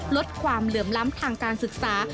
ลดความเหลื่อมล้ำทางการศึกษา